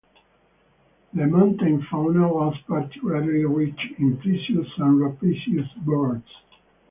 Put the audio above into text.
The mountain fauna was particularly rich in precious and rapacious birds.